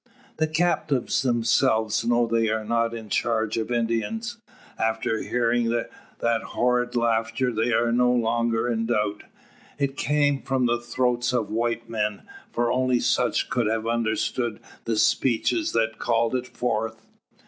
The captives themselves know they are not in charge of Indians. After hearing that horrid laughter they are no longer in doubt. It came from the throats of white men: for only such could have understood the speeches that called it forth.